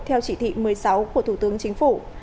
theo chỉ thị một mươi sáu của thủ tướng chính phủ